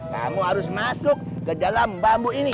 kamu harus masuk ke dalam bambu ini